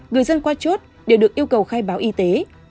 người dân qua chốt đều được yêu cầu khai báo y tế